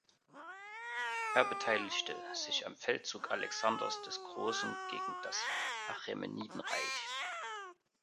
Er beteiligte sich am Feldzug Alexanders des Großen gegen das Achämenidenreich.